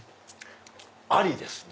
ありですね！